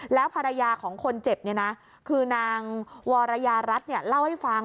แล้วภรรยาของคนเจ็บคือนางวรยารัฐเล่าให้ฟัง